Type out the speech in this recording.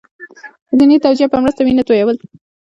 د دیني توجیه په مرسته وینه تویول.